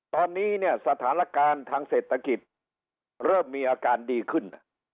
ตอนนี้เนี่ยสถานการณ์ทางเศรษฐกิจเริ่มมีอาการดีขึ้น